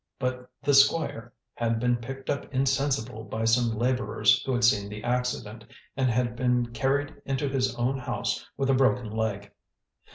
But the Squire had been picked up insensible by some labourers who had seen the accident, and had been carried into his own house with a broken leg.